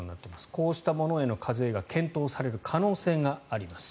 こうしたものへの課税が検討される可能性があります。